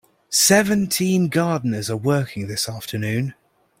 Seventeen gardeners are working this afternoon.